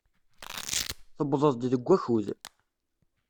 Tewwḍeḍ-d deg wakud.